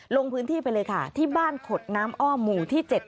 ลงพื้นที่ไปเลยค่ะที่บ้านขดน้ำอ้อหมู่ที่๗